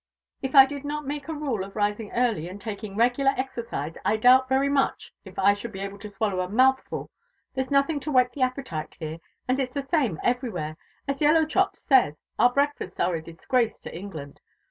If I did not make a rule of rising early and taking regular exercise, I doubt very much if I should be able to swallow a mouthful there's nothing to whet the appetite here; and it's the same everywhere; as Yellowchops says, our breakfasts are a disgrace to England.